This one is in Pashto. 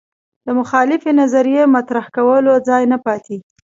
د مخالفې نظریې مطرح کولو ځای نه پاتې